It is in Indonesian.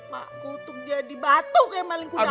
mak kutuk dia dibatuk kayak maling kudam